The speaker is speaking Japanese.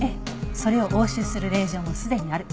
それを押収する令状もすでにある。